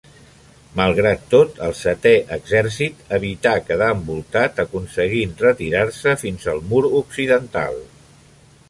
Malgrat tot, el Setè Exèrcit evità quedar envoltat, aconseguint retirar-se fins al Mur Occidental.